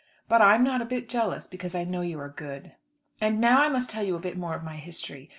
But I am not a bit jealous, because I know you are good. And now I must tell you a bit more of my history.